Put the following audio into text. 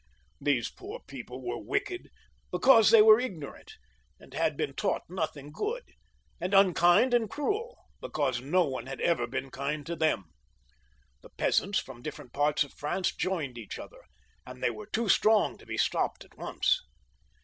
These poor people were wicked because they were ignorant, and had been taught nothing good ; and unkind and cruel, because no one had ever been kind to them. The peasants from different parts of Prance joined each other, and they were too* strong to be stopped at once.